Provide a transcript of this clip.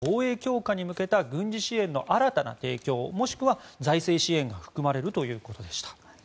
その中にはウクライナの防衛強化に向けた軍事支援の新たな提供もしくは財政支援が含まれるということでした。